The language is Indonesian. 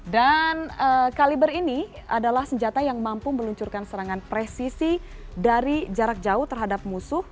dan kaliber ini adalah senjata yang mampu meluncurkan serangan presisi dari jarak jauh terhadap musuh